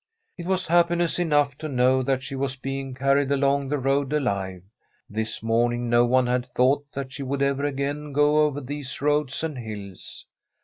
It was happiness enough to know that she was being carried along the road alive. This morning no one had thought that she would ever again go over these roads and hills.